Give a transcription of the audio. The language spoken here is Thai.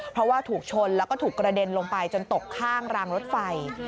เพราะว่าถูกชนแล้วก็ถูกกระเด็นลงไปจนตกข้างรางรถไฟ